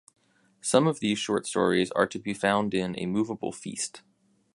Some of these short stories are to be found in "A moveable feast".